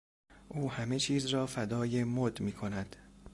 او همهچیز را فدای مد میکند.